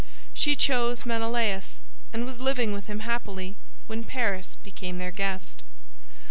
She chose Menelaus, and was living with him happily when Paris became their guest.